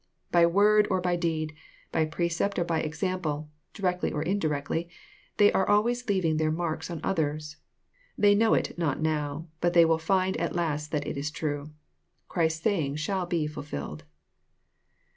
By word or by deed, by precept or by example, directly or indirectly, they are always leaving their marks on others. They know it not now ; but they will find at last that it is true. Christ's saying shall be fulfilled.